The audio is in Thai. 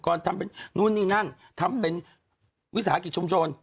ปุกรณ์ทำเป็นนู่นนี่นั่นทำเป็นวิศาคิตชมชน